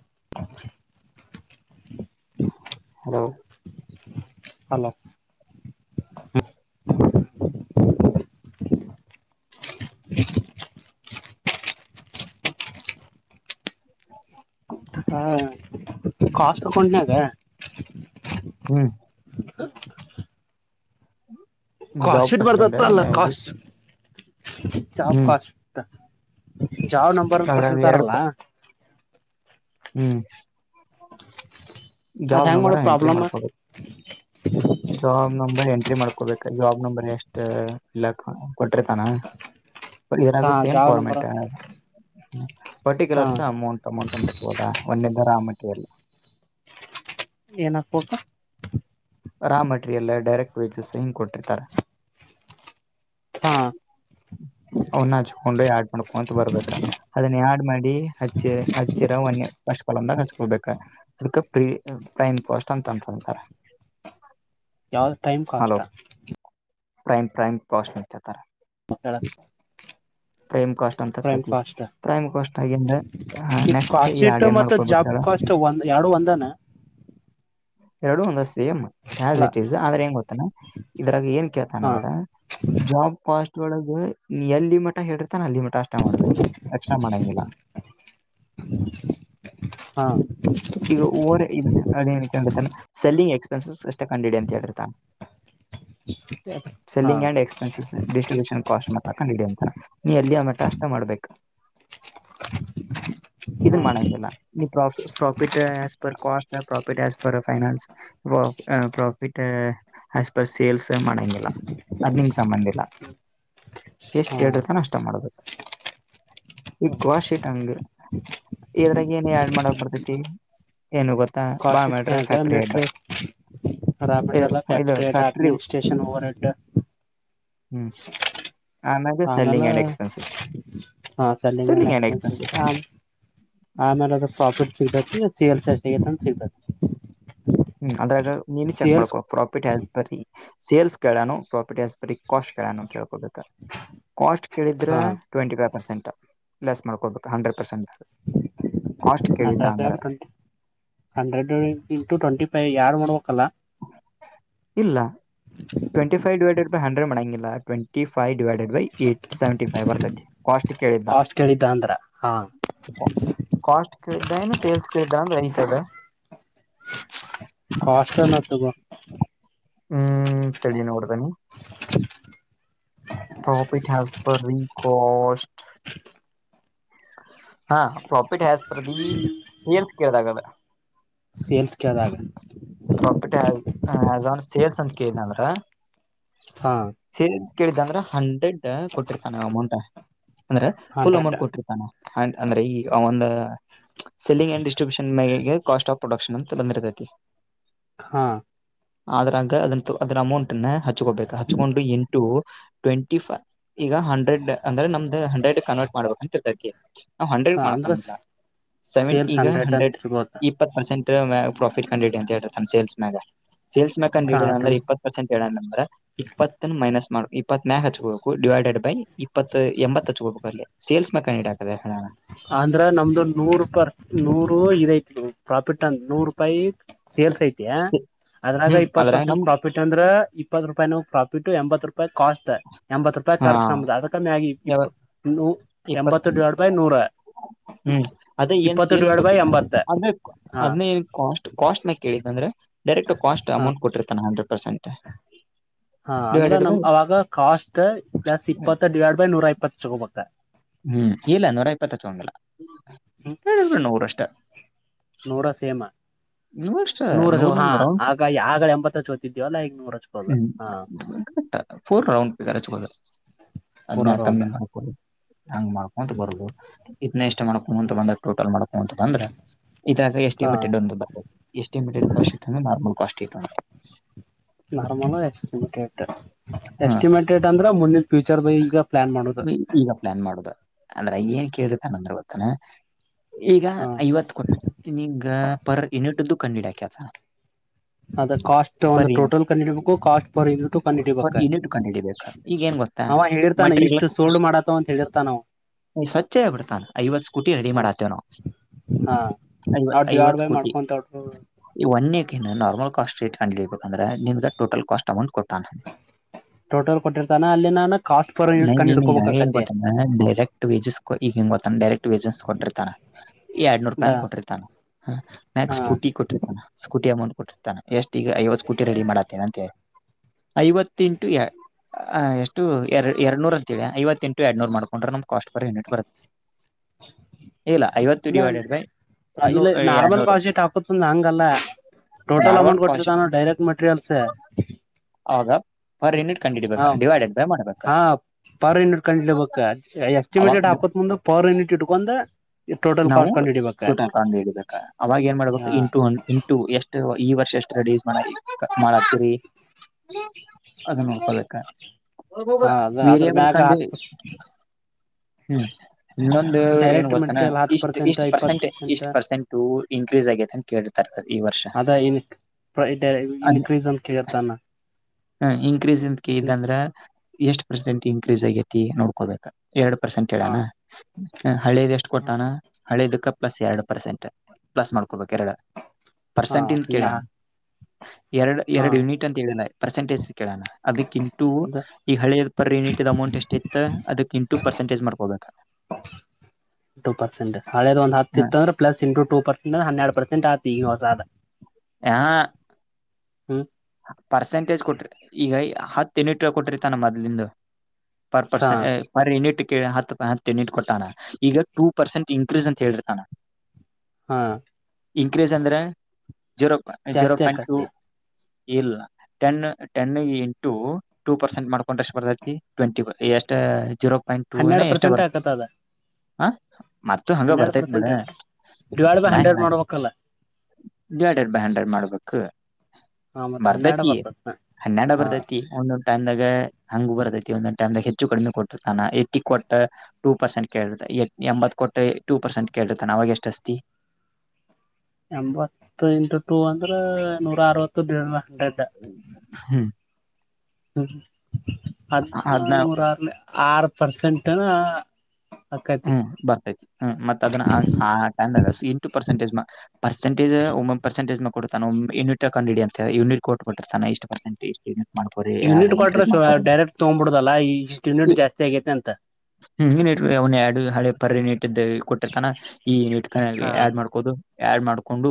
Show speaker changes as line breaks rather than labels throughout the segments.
[unintelligible]
Hello
hello
ಹ
ಹಾ ಕಸ್ಕೊಂಡನ
ಹ್ಮ ಹ್ಮ್
ಕಶ ಇಟ್ ಬರ್ತತ್ತ ಅಲ್ಲ ಕಸ್ ಚಾ
ಹ್ಮ್
ಕಸ್ ಜಾವ್ ನಂಬರ್
ಅದ್ರಾಗ
ಕೊಟ್ಟಿರ್ತಾರಲ್ಲ
ಎರಡು ಹ್ಮ್
ಅದ್
ಜಾಬ್
ಹೆಂಗ್
ನಂಬರ
ಮಾಡೋ
ಎಂಟ್ರಿ
ಪ್ರಾಬ್ಲಮ್
ಮಾಡ್ಕೊಬೇಕು ಜಾಬ್ ನಂಬರ್ ಎಂಟ್ರಿ ಮಾಡ್ಕೋಬೇಕ ಜಾಬ್ ನಂಬರ್ ಎಷ್ಟ್ ಇಲ್ಲ ಕೊಟ್ರತಾನ
ಹಾ
ಯನಾಗು ಸೇಮ್
ಜಾಬ್ ನಂಬರ್
ಫಾರ್ಮೆಟ್
ಹಾ
ಪರ್ಟಿಕ್ಯುಲರ್ಸ್ ಅಮೌಂಟ್ ಅಮೌಂಟ್ ಅಂತ ತೋದಾ ಒಂದ ಬರಾಮಟಲ್ಲ
ಏನ ಹಕ್ಬೇಕೋಬೇಕ
ರಾ ಮಟೀರಿಯಲ್ ಡೈರೆಕ್ಟ್ ವೇಜಸ್ ಹಿಂಗ್ ಕೊಟ್ಟಿರ್ತಾರೆ
ಹಾ
ಹ್ಮ ಅವನ್ನ ಹಚ್ಕೊಂಡು ಯಡ್ ಮಾಡ್ಕೊಂತ ಬರ್ಬೇಕ ಅದನ್ನ ಆಡ್ ಮಾಡಿ ಹಚ್ಚಿ ಹಚ್ಚಿರ ಒನ್ ಸ್ ಕದಾಗ ಹಚ್ಕೊಳ್ಬೇಕ ಅದಕ್ಕೆ ಪ್ರೀ ಪ್ರೈಮ್ ಪೋಸ್ಟ್ ಅಂತ ಅಂತಂತಾರ ಹ್ಮ
ಯಾವ್ದ ಟೈಮ್ ಕಾಸ್ಾ
ಪ್ರೈಮ್ ಪ್ರೈಮ್ ಕಾಸ್ಟ್ ನಿತತರ
ಮತ್ತಳ
[inaudible] ಕಾಸ್ಟ್ ಅಂತತಿ ಪ್ರೈಮ್ ಕಾಸ್ಟ್ ಆಗಂದ್ರ ಹ ನೆಕ್ಸ್ಟ್ ಈ ಹಾಡು ಏನ್ ಮಾಡ್ಕೊಬೇಕ
ಯಡುು ಒಂದಾನ
ಎರಡು ಒಂದ ಸೇಮ್ ಆಸ್ ಇಟ್ ಈಸ್ ಆದ್ರೆ ಹೆಂಗ ಗೊತ್ತನಾ ಇದ್ರಾಗ ಏನ್
ಹಾ
ತನದ್ರ ಜಾಬ್ ಕಾಸ್ಟ್ ೊಳಗೆ ಎಲ್ಲಿ ಮಠ ಹೇಡಿರ್ತಾನೆ ಅಲ್ಲಿ ಮಠ ಅಷ್ಟ ಮಾಡ್ಬೇಕು ರಕ್ಷಣ ಮಾಡಣಂಗ
ಹಾ ಹಾ
ಈಗ ಇದಂಡ ಸೆಲ್ಲಿಂಗ್ ಎಕ್ಸ್ ಸ ಸಷ್ಟ ಕಂಡಿಡಿ ಅಂತ ಹೇಳಿತಾನ
ಹಾ
selling and expense distribution cost ಕಿಡಿ ಅಂತ ನೀ ಎಲ್ಲಿ ಆ ಮಠ ಅಷ್ಟ ಮಾಡ್ಬೇಕು ಇದನ್ನು ಮಾಡಲ್ಲ ನೀ ಪ್ರ ಹ ರ್ ಫ ಪರ್ ಸೇಲ್ಸ್ ಮಾಡಂಗಿಲ್ಲ ಅರ್ನಿಂಗ್ ಸಂಬಂಧಿಲ್ಲ ಎಷ್ಟ್
ಹಾ
ಹೇಳಿರ್ತಾನೋ ಅಷ್ಟ ಮಾಡ್ಬೇಕು ಈ ಕವಾ ಶಿಟ್ ಹಂಗ ಇದ್ರಾಗ ಏನ ಆಡ್ ಮಾಡಕ್ ಬರ್ತತಿ ತಿ
ಕಾಫಿ ಅದ ಮೆಟ್ರಿ
ಇದು
ರಾಮಲ್ಲ ್ಯಾಕ್
ಫ್ಯಾಕ್ಟ್ರಿ
ಅಡ್ಮಿನಿಸ್ಟ್ರೇಷನ್ ಓವರ್ ಹೆಡ್
ಹ್ಮ್ ಆಮ್ಯಾಗ ಸೆಲ್ಲಿಂಗ್
ಆಮೇಲೆ
ಅಂಡ್ ಎಕ್ಸ್ಪೆನ್ಸಸ್
ಹ
ಸೆಲ್ಲಿಂಗ್ ಅಂಡ್ ಎಕ್ಸ್ಪೆನ್ಸಸ್
ಆಮೇಲೆ ಸಿಗ್ ಸಿಷ್ಟ ಸಿಗ್
ಹ್ಮ್ ಅದ್ರಾಗ ನೀನು ಚೆಕ್ ಮಾಡ್ಕೋ ಪ್ರಾಫಿಟ್ಸ್ ಬರ್ ಸೇಲ್ಸ್ ಕೇಳೋನು ಪ್ರಾಪರ್ಟಿ ಹಸ್ಪ ಕಾಟ್ ಕ ಕೇಕೋಬೇಕ ಕಾಸ್ಟ್ ಕೇಳಿದ್ರ
ಹಾ
ಟ್ಂಟಿಫೈವ್ ಪರ್ಸೆಂಟ್ ಲೆಸ್ ಮಾಡ್ಕೊಬೇಕು hundred percent
ಹ್ರೆಡ್ hundred into twenty ಯಾರು ಮಾಡಡ
ಇಲ್ಲ ಟ್ಂಟಿ ಫೈವ್ ಡಿವೈಡೆಡ್ ಹಂಡ್ರೆಡ್ ಮಡಂಗಿಲ್ಲ ಟ್ವೆಂಟಿ ಫೈವ್
ಕಾಸ್ಟ್ ಕೇಳಿದ್ದ ಅಂದ್ರ ಹಾ
ಕ
ಕಷ್ಟ
ಹ್ಮ್ ತಿಳಿಯ ನೋಡತಾನೆ ಪ್ರಾಫ ಇಟ್ ಹಸ್ ಪ ರೀ ಕಸ್ಟ್ ಹಾ ಪ್ರಾಫಿಟ್ ಹಜ ಪ್ರ ಸೇಲ್ಸ್ ಕೆ ಕದ
ಸೇಲ್ಸ್ ಕೇಳ್ದಾಗ
ಪ್ರೋಫಿಟ್ ಹ ಆನ್ ಸೇಲ್ ಏನಂದ್ರ
ಹಾ
ಸೇಸ್ ಕೇಳಿದ್ದಂದ್ರ ಹಂಡ್ರೆಡ್ ಕೊಟ್ಟಿರ್ತ ನೀವು ಅಮೌಂಟ್ ಅಂದ್ರೆ ಫುಲ್
ಹಂಡ್ರೆಡ್
ಅಮೌಂಟ್ ಕೊಟ್ಟ ಅಂಡ್ ಅಂದ್ರೆ ಈ ಒಂದು ಸೆಲ್ಲಿಂಗ್ ಆಂಡ್ ಡಿಸ್ಟ್ರಿಬ್ಯೂಷನ್ ಮ ಕಾಸ್ಟ್ ಆಫ್ ಪ್ರೊಡಕ್ಷನ್ ಅಂತ ಬಂದಿರತತಿ
ಹಾ
ಆದ್ರಂಗ ಅದ ಅದರ ಅಮೌಂಟ್ ಹ ಹಚ್ಕೋಬೇಕು ಹಚ್ಕೊಂಡು ಎಂಟು ಟ್ವೆಂಟಿ ಫೈ ಈಗ ಹಂಡ್ರೆಡ್ ಅಂದ್ರೆ ನಮ್ದು ಹಂಡ್ರೆಡ್ ಕನ್ವರ್ಟ್ ಮಾಡ್ಬೇಕ ಅಂತತ [inaudible] ನಾವು ಹಂಡ್ರೆಡ್
ಅಂದ್ರ
ಮಾಡ್ಕಂದಿಲ್ಲ ಸೆವೆನ್
ಸೇಲ್ಸ್
ಈಗ ಹಂಡ್ರೆಡ್
ಅಂತ ಇರ್ಬೋದ
ಇಪ್ಪತ್ತು ಪರ್ಸೆಂಟ್. ಪ್ರಫಿಟ್ ಕಂಡ ಸೇಲ್ಸ್ನ್ಯಾಗ. ಸೇಲ್ಸ್ ಮ್ಯಾಕ್
ಹಾ
ಹೇಳಂದ್ರ
ಟ್ವೆಂಟಿ
ಇಪ್ಪತ್ ಪರ್ಸೆಂಟ್ ಹೇಳ್ರ ಇಪ್ಪತ್ತ ಮೈನಸ್ ಮಾಡ ಇಪ್ಪತ್ ಮಕ್ ಹಚ್ಕಬೇಕು ಡಿವೈ. ಡೆಡ್ ಇಪ್ಪತ್ ಎಂಬತ್ತ ಹಚ್ಚ ಕೊಬೇಕಲಿ ಸೇಲ್ಸ್ ಮೆಕಾನ್ ಇಡ ಅದೇ
ಅಂದ್ರ ನಮ್ದು ನೂರು ಪರ್ ನೂರು ಇದ ಪ್ರಾಫಿಟ್ ಅಂದ ನೂರು ರೂಪಾಯಿ ಸೇಲ್ಸ್ ಐತಿ
ಹೇಳಣ
ಅದ್ರಾಗ
ಹ್ಮ್
ಇಪ್ಪತ್ ಪರ್ಸೆಂಟ್
ನಮ್
ಪ್ರಾಫಿಟ್ ಅಂದ್ರ ಇಪ್ಪತ್ತು ರೂಪಾಯ ನ ಪ್ರಾಫಿಟ್ ಎತ್ ರೂಪಿ ಕಾಷ್ಟ ನಮದು ಎಂಬತ್ತು ರೂಪಾಯ್
ಹಾ
ಖರ್ಚು ನಮದ ಅದಕ್ಕಗಿ ಇ
ಯಾವ ಇಪ್ಪತ್
ಎಂಬತ್ತ ಡ್ಯೂಯಡ್ ಬೈ ನೂರ
ಹ್ಮ್ ಅದೇ ಏನ್
ಇಪ್ಪತ್ತು
ಸೇಲ್ಸ್
ಡಿವೈಡ್ ಬೈ
ಕೊಟ್ಟಿದ್ದೆ
ಎಂಬತ್ತ
ಅದ
ಹಾ
ಅದನ್ನ ಏನ್ ಕಾಸ್ಟ್ ಕಾಸ್ಟ್ ನ ಕೇಳಿದ್ದ ಅಂದ್ರೆ ಡರೆಕ್ಟ್ ಕಸ್ಟ್
ಹಾ
ಅಮೌಂಟ್ಟ್ಟಿರ್ತಾನ. ಇಪ್ಪತ ಪರ್ಸೆಂಟ್.
ಹಾ ಅಂದ್ರ
ಡಿವೈಡೆಡ್ ಬೈ
ನಮ ಅವಾಗ ಕಾಸ್ಟ್ ಪ್ಲಸ್ ಇಪ್ಪತ್ತ ಡಿವೈಡ್ ಬೈ ನೂರ ಇಪ್ಪತ್ ಚಗೋಬ.
ಹ್ಮ್ ಇಲ್ಲ ನೂರ ಇಪ್ಪತ್ತ ಹಚ್ಚ ಹಂಗಿಲ್ಲ
ಹ್ಮ
ಹೇಳಿದರು ನೂರಷ್ಟ.
ನೂರ ಸೇಮ ನೂರ ಚೋ ಹಾ ಆಗ ಆಗ ಎಂಬತ್ತ ಚೋತಿದ್ಯವಲ್ಲಾ ಈಗ. ನೂರ ಹಚ್ಕೋದ ಹಾ
ಹ್ಮು ಫೋರ್ ರೌಂಡದು
ಪೂರ
ಅದ್ನ್ನ ಕಮ್ಮಿ
ರೌಂಡ್
ಮಾಡಕುದು. ಹಂಗ್ ಮಾಡ್ಕೊಂತ ಬರದು. ನೆಸ್ಟ್ ಮಾಡಕೊಂತ ಬಂದ ಟೋಟಲ್ ಮಾಡಕ್. ಬಂತ ಅಂದ್ರ ಇದಾಗ.
ಹಾ
ಎಷ್ಟಿಮಿಟೆಡ್ಂದು ಎಷ್ಟಮಿ. ಕಷ್ಟ ಇ
ನಾರಮಲ್ ಆಮಿಟ್ರಕ್ಟರ್.
ಹಾ
ಎಸ್ಟಿಮೇಟಡ ಅಂದ್ರೆ ಮುಂದಿನ. ಫ್ಯೂಚರ್ ಬಯಿ ಹಿಂಗಾ.
ಈಗ ಪ್ಲಾನ್ ಮಾಡುದ. ಅಂದ್ರ ಏನ್ ಕೇಳತಾನಂದ್ರ ಗೊತ್ತನಾ. ಈಗ
ಹಾ
ಐವತ್ತು ಕೊಟ್ಟಗ ಪರ್ ಯುನಿಟದು ಕಣ್ಣಿಡ ಆಕ್ಯ. [inaudible]
ಅದ ಕಾಸ್ಟ್ ಒಂದು ಟೋಟಲ್ ಕಂಡಇಡಿಬೇಕು ಕಾಸ್ಟ್ ಪರ್ ಯುನಿಟ್ ಕಂಡಇಡಿಬೇಕ
ಪರ್ ಯೂನಿಟ್
ಅವ ಹೇಳ
ಮಟ್ರ ಸ್ವಚ್ಛ ಆಬಿಡ್ತಾನ ಐವತ್ ಸ್ಕೂಟಿ ರೆಡಿ
ಅವ
ಮಾಡಾತೇವ ನಾವು
ಹಾ
ವ
ನಾವ್ ಡಿವೈಡ್
ಐವತ್
ಬೈ
ಸ್ಕೂಟಿ
ಮಾಡ್ಕೊಂತ
ಒನ್ ಏಟಿ ಕಸ್ಟ್ಟ್ ಕಬೇಕ ಅಂದ್ರೆಮ್ ಟೋಟಲ್ ಕಾಷ್ಟ ಅಮೌಟ್ ಕೊಟ್ಟ
ಟೋಟಲ್ ಕೊಟ್ಟಿರ್ತಾನ ಅಲ್ಲಿ ನಾನು ಕಾಸ್ಟ್ ಪರ್ ಯೂನಿಟ್
ನೈ
ಕಂಡು
ನೀನ್ಗ ನ್
ಹಿಡ್ಕೋಬೇಕಾಕತಿ
ಗೊತ್ತಾನ ಡೈರೆಕ್ಟ್ ವೇಜಸ್ ಈಗಂಗ ಗೊತ್ತಾನ ಡೈರೆಕ್ಟ್ ವೇಜಸ್ ಕೊಟ್ಟಿರ್ತಾನ ಎರಡ್ನೂರ್ ರೂಪಾಯಿ ಕೊಟ್ಟಿರ್ತಾನ ಹ
ಹಾ
ನೆಕ್ಸ್ಟಸ್ಕೂಟಿ ಕೊಟ್ಟಿರ್ತಾನ ಸ್ಕೂಟಿ. ಮ ಕೊಟ್ಟಿತಾನೆ ಎಷ್ಟು ಈಗ ಐವತ್ತು ಸ್ಕೂಟಿ ರೆಡಿ ಮಾಡತ್ತೇನೆ ಅಂತೆ. ಐವತ್ತೆಂಟು ಎ ಆ ಎಷ್ಟು. ಎರ ಎರಡ್ ನೂರ್ ಅಂತೇಳ ಐವತ್ತ ಇಂಟು ಎರಡ್ನೂರ್ ಮಾಡ್ಕೊಂಡ್ರೆ ನಮ ಕಾಸ್ಟ್ ಪರ್ ಯೂನಿಟ್ ಬರುತ್ತೆ. ಇಲ್ಲ ಐವತ್ತು
ಇಲ್ಲ
ಡಿವೈಡೆಡ್ ಬೈ ನೂ
ಇಲ್ಲ ನಾರ್ಮಲ್
ಎರಡ್ನೂರು
ಕಾಶಿ ಾಕತ್ ಹಂಗಲ್ಲ ಟೋಟಲ್
ನಾರ್ಮಲ್
ಅಮೌಂಟ್
ಕಾಸ್ಟ್
ಕೊಟ್ಟಿರ್ತಾನ ಡೈರೆಕ್ಟ್ ಮೆಟೀರಿಯಲ್ಸ್
ಅವಾಗ ಪರ್ ಯೂನಿಟ್ ಕಂಡು ಹಿಡಿಬೇಕ
ಹ.
ಡಿವೈಡೆಡ್ ಬೈ ಮಾಡ್ಬೇಕ
ಹಾ ಪರ್ ಯೂನಿಟ್ ಕಂಡಲಬೇಕ
ಅವಾಗ
ಎಸ್ಟಿಮೇಟೆಡ್ ಹಾಕೋತ್ ಮುಂದೆ ಪರ್ ಯೂನಿಟ್ ಇಟ್ಕೊಂಡ್.
ನಾವು ಟೋಟಾಟ ಇಬೇಕ ಅವಾಗ ಏನ್ ಮಾಡ್ಬೇಕು
ಹ
ಇಂಟು ಇಂಟು ಎಷ್ಟು. ಈ ವರ್ಷ ಎಷ್ಟ ಅಡೂಸ್ ಮಾಡ ಕ ಮಾಡ ಹಕ್ತರಿ. ಅದ ನೋಡ್ಕೊಬೇಕ
ಹಾ ಅದ ಅದ್ರ ಮ್ಯಾಗ
ಬೇರರ್ಕಂಡು.
ಹತ್
[unintelligible] ಹ್ಮ್. ಇನ್ನೊಂದು ಏನು
ಡೈರೆಕ್ಟ್
ಗೊತ್ತಾನ.
ಮೆಟೀರಿಯಲ್ ಹತ್ತು
ಇಷ್ಟ ಇಷ್ಟ
ಇಪ್ಪತ್ತು
ಪರ್ಸೆಂಟ್ ಇಷ್ಟು ಪರ್ಸೆಂಟ್ ಇನ್ಕ್ರೀಸ್ ಆಗ ಅಂತ ಕೇತಾರೆ ಈ ವರ್ಷ
ಅದ ಇನ್ ಇನ್ಕ್ರೀಸ್ ಅಂತ ಕೇಳ್ತಾನ
ಇಕ್ರೀಸ್ ಇದಂದ್ರ. [unintelligible] ಎಷ್ಟ ಪರ್ಸೆಂಟ್ ಇನ್ಕ್ರೀಸ್ ಆಗೈತಿ ನೋಡ್ಕೋಬೇಕಾ. ಎರಡು ಪರ್ಸೆಂಟ್ಡ
ಹಾ
ಅನಾ ಹಳ್ಳದ ಎಷ್ಟು ಕೊಟ್ಟ. ಹನ ಹಳೆದಕ್ಕ. ಪ್ಲಸ್ ಎರಡು ಪರ್ಸೆಂಟ್ ಪ್ಲಸ್ ಮಾಡ್. ಬೇಕ ಎರಡ ಪರ್ಸೆಂಟಿಂದ ಕೇಳ.
ಹಾ
ಎರಡು
ಹಾ
ಎರಡು ಯುನಿಟ್ ಅಂತ ಹೇಳಿದ. ಪರ್ಸೆಟೇಜ್ ಕೇಳೋಣ. ಅದಕ್ಕಿಂತಟು
ಅದ
ಈಗ ಹಳಿದ ಪರ್ ಯೂನಿಟ್ ಅಮೌಂಟ್ ಎಷ್ಟ ಇತ್ತು ಅದಕ್ಕಿಂಟು ಪರ್ಸೆಟೇಜ್ ಮಾಡ್ಕೊಬೇಕ.
ಟ ಪರ್ಸೆಂಟ್. ಹಳೆದ ಒಂದು ಹತ್ತುತ್ತಂದ್ರ ಪ್ಸ್ ಇಟ ಟ ಪರ್ ಅಂದ್ರ ಹೆರಡುರ್. ಮಂಟ್ ಆತಿ ಹೊ ಜ.
ಹ. ಪರ್ಸೆಂಟೇಜ್ ಕೊಟ್ರಿ ಈಗ. ಹತ್ತು ಎನೆಟ ರೂಪಾಯಿ ಕೊಟ್ರ ತಾನ ಮದ್ಲಂದು. [unintelligible] ಪರ್
ಹಾ
ಪರ್ಸನ್ ಪರ್ ಯನಿಟ್. ಹ ಹಿಟ್ ಕೊಟ್ಟಾನ ಈಗ ಟೂ ಪರ್ಸೆಂಟ್ ಇನ್ಕ್ರೀಸ್ ಅಂತ ಹೇಳಿರ್ತಾನ. [unintelligible]
ಹಾ. [unintelligible]
ಇನ್ಕ್ರೀಸ್ ಅಂದ್ರೆ. ಜೀರೋ ಜೀರೋ
ಜಾಸ್ತಿ
ಪಾಯಿಂಟ್ ಟು.
ಆಕತಿ
ಇಲ್ಲ ten ten into two percent ಮಾಡ್ಕೊಂಡ್ರೆಷ್ಟು ಬರತಿ ಟ್ವೆಂಟಿ ಎಷ್ಟ ಜೀರೋ. ಪಾಯಿಂಟ್ ಟೂ ಏನ
ಹನ್ನೆರಡು
ಎಷ್ಟ
ಪರ್ಸೆಂಟ್
ಬರು
ಆಕತ್ತ ಅದ
ಹ ಮತ್ತ ಹಂಗ
ಹನ್ನೆರಡು
ಬರ್ತಾತ್ ಬಿಡ
ಪರ್ಸೆಂಟ್ ಡಿವೈಡ್ ಬೈ
ನ
ಹಂಡ್ರೆಡ್ ಮಾಡ್ಬೇಕಲ್ಲ
ಡಿವೈಡೆಡ್ ಬೈ ಹಂಡ್ರೆಡ್ ಮಾಡ್ಬೇಕು. [unintelligible]
ಹಾ ಮತ್ತ್ ಹನ್ನೆರಡ
ಬರ್ತತಿ
ಬರ್ತದ
ಹನ್ನೆಡ
ಹಾ
ಬರ್ತೈತಿ ಒಂದೊ ಟೈದಾಗ ಹಂಗ ಬರ್ತೈತಿ. ಒೊ್ ಟೈಮ್ ಗ ಹೆಚ್ಚು ಕಡಿಮೆ ಕೊಟ್ಟಿತಾನ ಏ ಕೊಟ್ಟ ಟೂ ಪರ್ಸೆಂಟ್ ಕ ಎಂಬತ್ ಕೊಟ್ಟ ಟೂ ಪರ್ಸೆಂಟ್ ಕೇರ್ತಾನ ಅವಾಗ ಎಷ್ಟ ಅಷ್ಟತಿ. [unintelligible]
ಎಂಬತ್ತು ಇಂಟು ಟೂ ಅಂದ್ರೆ ನೂರ ಅರವತ್ತು ಬಿ.
ಹ್ಮ್. [unintelligible]
ಹ್ಮ ಹ್ಮ. ಅದ
ಅದ್ನ
ನೂರಾರ. ಆರು ಪರ್ಸೆಂಟ್ನಾ.
ಹ್ಮ್ ಬರ್ತೈತಿ ಹ್ಮ್ ಮತ್ತ ಅದನ್ನ ಎಂಟು ಪರ್ಸೆಟಜ್ ಪರ್ಸೆಟಜ್ ಒ ಪರ್ಸೆಂಟಜ್ ಮ. ಕೊಡ್ತಾನ ಯನಿಟ್ಡಿ ಅ ಯನಿಟ್ ಕೊಟ್ ಬಿಟ್ಟರ್ತಾನ ಇಷ್ಟು ಪರ್ಸೆಟ್.
ಯೂನಿಟ್ ಕ್ವಟ್ರ ಡೈರೆಕ್ಟ್ ತೊಗ್ಬಿಡುದಲ್ಲ ಇಷ್ಟ ಯೂನಿಟ್ ಜಾಸ್ತಿ ಆಗೈತೆ ಅಂತ.
ಹ್ಮ್ ಯೂನಿಟ್ ಅವನ್ ಎರಡು ಹಳೆ ಪರಿರ ನೀಟ್ಟಿದ್ದ ಕೊಟ್ಟಿರ್ತಾನ ಈ ನೀಟ್ ಕ
ಹಾ
ಆಡ್ ಮಾಡ್ಕೋದು. ಆಡ್ ಮಾಡ್ಕೊಂಡು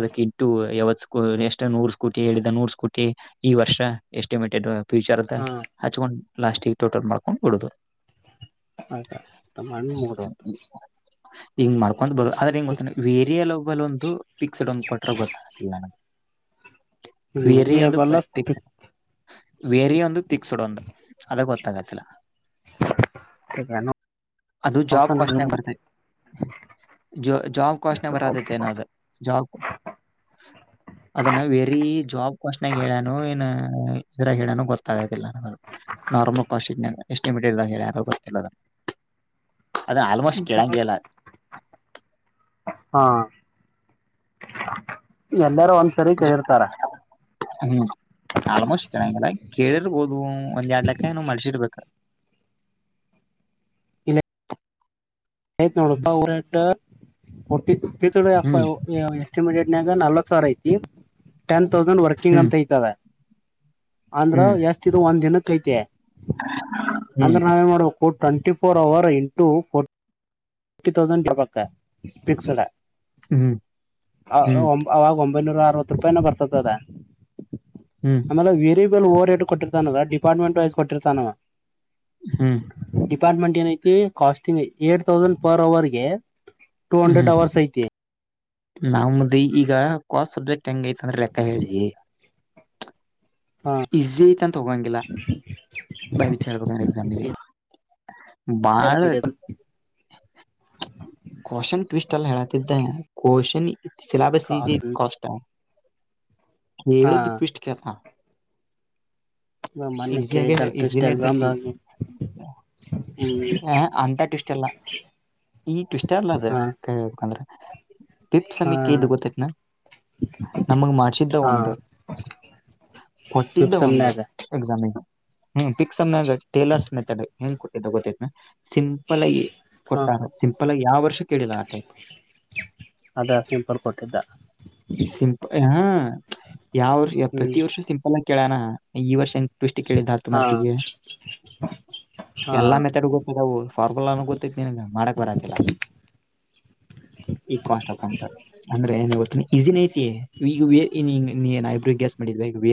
ಅದಕ್ಕ ಇಟ್ಟು ಯಾವತ್ ಎಷ್ಟ ನೂರ್ ಕೋಟಿ ಹೇಳಿದ ನೂರ್ ಕೋಟಿ ಈ ವರ್ಷ ಎಸ್ಟಿಮೇಟೆಡ್. ಪ್ಯಚರ್ ಅ
ಹಾ
ಹಚ್ಚಕ. ಲಾಸ್ಟಿಗೆ ಟೋಟನ್ ಮಾಡ್ಕೊಂಡು ಬಿಡದು.
ಆಯ. ಮಣ್ಣ ಮುಗದತ.
ಹಿಂಗ್ ಮಾಡ್. ಒಂದು ಬದು ಆದ್ರೆ ಹೆಂಗ ಗೊತ್ತಾನೆ ವೇರಿಯಲ್ಲ. ಕ್ಡ್ ಒ ಕಟರ್ ಗೊತ್ತಲ್ಲ ನಗೆ. ವೇರಿ ಒಂದು ಪ
ವೇರಿಯೇಬಲ್
ಪಕ್ಸ್ ವೇರಿ ಒಂದು ಪಿಕ್ಸಡ್ ಒಂದು ಅದಾಗ ಗೊತ್ತಾಗತ್ತಲ್ಲ. ಅದು ಜಾಬ್ ಕಸ್ಟ್ಬರುತ್ತೆ. ಹ. ಜಾಬ್ ಕ್ವಾಸ್ನೆ ಬರತ್ತೈತೆ ಏನ ಅದ ಜಾಬ್ ಅದನ್ನ ವೆರಿ ಜಾಬ್ ಕ್ಶನೆಾಗ ಹೇಳ್ಯನು ಏನ್. ಇದ್ರಾಗ ಹೇಳಾನ ಗೊತ್ತಾಗೋದಿಲ್ಲ ನನದು ನಾರ್ಮಲ್ ಕಾಸ್ ಎಷ್ಟಮಟೆಡ್ ಇದಾಗ ಹೇಳಾರ ಗೊತ್ತಿಲ್ಲ. ಅದನ್ನ ಆಲ್ಮೋಸ್ಟ್ ಕೆಳಂಗಗೆಲ್ಲ.
ಇ. ಎಲ್ಲಾರೂ ಒಂದ್ ಸರಿ ಕ ಇರ್ತಾರ.
ಹ್ಮ್. ಆಲ್ಮೋಸ್ಟ್ ಚೆನ್ನಲ್ಲ. ಕೇಡೆ ಬೋದು. ಒಂದ ಎರಡ್ ಲಲೆಕ್ಕ ಏ ಮಾಡ್ಸಿರ್ಬೇಕ.
ಆಯ್ತ್ ನೋಡ. ಹೊಟ್ಟ.
ಹ್ಮ್
ಇ ಎ ಎಸ್ಟಿಮೇಟೆಡ್. ಈಗ ನಾಲ್ವತ್ ಸಾವರ ಐತಿ. ಟೆನ್ ತೌಸಂಡ್ ವರ್ಕಿಂಗ್
ಹ್ಮ್
ಅಂತ ಐತದೆ. ಅಂದ್ರ
ಹ್ಮ್
ಎಾಸ್ತಿ ಒಂದ್ ದಿನ ಕೈತ
ಹ್ಮ್
ಅಂದ್ರೆ ನಾವೇನ್ ಮಾಡ್ಬೇಕ twenty four hour into fifty thousand
ಹ್ಮ್ ಹ್ಮ್
ಅವಾಗ ಒೈನೂರ ಅರವತ್ತು ರೂಪಾಯಿನ ಬರ್ತದ
ಹ್ಮ್
ಆಮೇಲೆ ವೇರಿಯೇಬಲ್ ಓರ್ಟ ಕೊಟ್ಟಿರ್ತಾನದ ಡಿಪಾರ್ಟ್ಮೆಂಟ್ ವೈಸ್ ಕೊಟ್ಟಿರ್ತಾನವಾ
ಹ್ಮ್
ಡಿಪಾರ್ಟ್ಮೆಂಟ್ ಏನ ಐತೆ ಕಸ್ಟಿಂಗ್ ಏಟ್ ತೌಸಂಡ್ ಫರ್ ಅವರ್ಗೆ ಟು ಹಂಡ್ರೆಡ್ ಅವವರ್ಸ್ ಆಐತ
ನಾದಿ ಈಗ ಕಾಸ್ ಸಬ್ಜೆಕ್ಟ್ ಹೆಂಗ ಐತ್ ಅಂದ್ರೆ ಲೆಕ್ಕ ಹೇಳಿ
ಹಾ
ಈಸಿ ಐತ ಅಂತ ಹೋಗೋಂಗಿಲ್ಲ ಬಯ ಬಿಚ್ ಹೇಳ್ಬೇಕಂದ್ರೆ ಎಕ್ಸಾಮಗೆ ಬಾಳ ಕ್ನ್ ಟ್ವಿಸ್ಟ್ ಎಲ್ಲಿ ಹೇಳತಿದ್ದೆ ಕ್ನ್ ಶಲಾ ಬಸ್ಿಜ
ಕಾಸ್ಟ್
ಕಷ್ಟ
ಹಾ
ಹೇಳುದು ಕಷ್ಟ ಕೆತ
ನಾವ್ ಮೊನ್ನೆ
ಈಸಿಯಾಗೆ
ಕೇಳಿದ್ದಲ್
ಈಸಿನ
ಇನ್ಸ್ಟಾಗ್ರಾಮ್
ಇರ್ತೇತಿ
ಹ್ಮ್
ಹ ಅಂತ ಟ್ವಿಿಸ್ ಎಲ್ಲ ಈ ಟ್ವಿಷ್ಟ ಅಲ್ಲ ಅದ
ಹಾ
ಕರಿಂದ್ರೆ ಪಪ್
ಹಾ
ಸಮೀಕ್ ಇದು ಗೊತ್ತೈತ್ನಾ ನಮಗ್ ಮಾಡ್ಸಿದ್ದ
ಹಾ
ಒಂದು ಟ್ಟಿದ್ದ
ಫಿಫ್ತ್
ಒಂದು
ಸೆಮ್ನ್ಯಾಗ
ಎಸ [inaudible] ಹ್ಮ ಪಿಕ್ಸ್ ಟೇಲರ್ ಮೆಡ್ ನ್ ಬಗತ ನ ಸಿಂಪಲ್ ಆಗಿ
ಹಾ
ಕೊಟ್ಟಾರ ಸಿಂಪಲ್ ಅಲ್ಲ ಯಾವ ವರ್ಷ ಕೆ ಆಟ
ಅದ ಸಿಂಪಲ್ ಕೊಟ್ಟಿದ್ದ
ಸಿಂಪ ಹ ಯಾವ ವರ್ಷ ಪ್ರತಿ
ಹ್ಮ್
ವರ್ಷ ಸಿಂಪ ಕೇಳೋಣ ಈ ವರ್ಷ ಪೃಷ್ಟಿ ಕೇಳಿದ್ದ ಹ ತು
ಹಾ
ಮರ್ಸಿಗೆ ಎಲ್ಲಾ
ಹಾ
ಮೆತ್ತರ್ ಹೋಗತದವು ಫಾರ್ಮುಲ ಗೊತ್ತ ಮಾಡಕ್ ಬರಲ್ಲ ಈ ಕಾಸ್ ಆಫಂಟ ಅಂದ್ರೆ ಈಿನ ಐತಿ ಈಗಬ ಗ್ಯಾಸ್ ಮಾಡಿದ